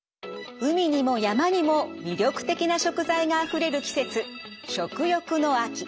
海にも山にも魅力的な食材があふれる季節食欲の秋。